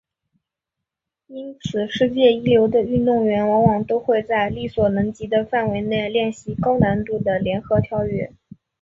因此世界一流的运动员往往都会在力所能及的范围内练习高难度的联合跳跃。